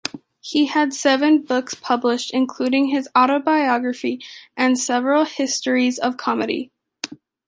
He had seven books published, including his autobiography and several histories of comedy.